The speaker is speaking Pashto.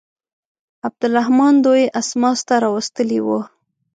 عبدالرحمن دوی اسماس ته راوستلي وه.